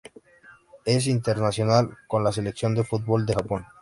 Es internacional con la selección de fútbol de Japón.